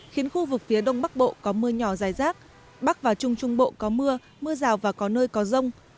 khiến khu vực phía đông bắc bộ có mưa nhỏ dài rác bắc và trung trung bộ có mưa mưa rào và có nơi có rông